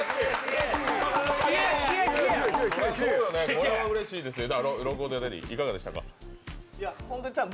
これはうれしいですね。